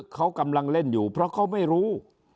เขากำลังเล่นอยู่เพราะเขาไม่รู้